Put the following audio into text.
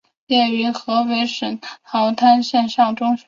毕业于河北省馆陶县滩上中学。